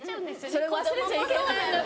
それ忘れちゃいけないの。